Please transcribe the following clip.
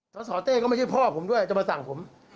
สสเต้ก็ไม่ใช่พ่อผมด้วยจะมาสั่งผม